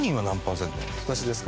私ですか？